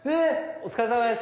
お疲れさまです。